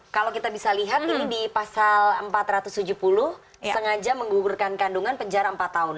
kalau kita bisa lihat ini di pasal empat ratus tujuh puluh sengaja menggugurkan kandungan penjara empat tahun